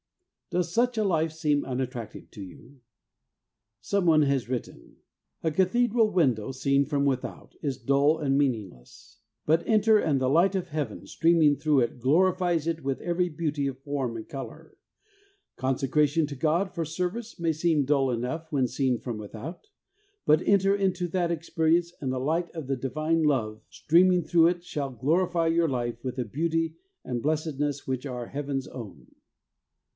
Does such a life seem unattractive to you ? Some one has written :—' A cathedral window seen from without is 24 THE WAY OF HOLINESS dull and meaningless ; but enter, and the light of Heaven streaming through it glori fies it with every beauty of form and colour. Consecration to God for service may seem dull enough when seen from without, but enter into that experience, and the light of the Divine love streaming through it shall glorify your life with a beauty and blessed ness which are Heaven's own.